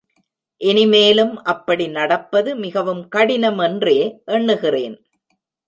இனிமேலும் அப்படி நடப்பது மிகவும் கடினம் என்றே எண்ணுகிறேன்.